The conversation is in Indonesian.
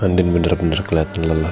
andin bener bener keliatan lelah